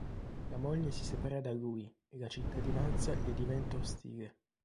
La moglie si separa da lui e la cittadinanza gli diventa ostile.